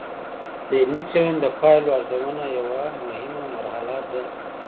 د علمي څېړنې د پایلو ارزونه یوه مهمه مرحله ده.